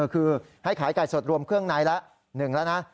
คือให้ขายไก่สดรวมเครื่องในละ๑แล้วนะ